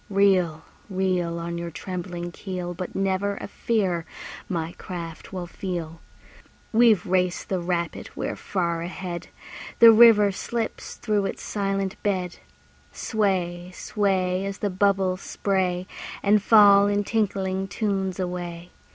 Reel, reel. On your trembling keel, But never a fear my craft will feel. We've raced the rapid, we're far ahead! The river slips through its silent bed. Sway, sway, As the bubbles spray And fall in tinkling tunes away.